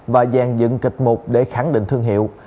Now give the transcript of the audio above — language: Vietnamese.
và dàn dựng kịch mục để khẳng định thương hiệu